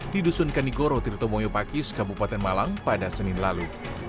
di dusun kanigoro tirtomoyo pakis kabupaten malang pada senin lalu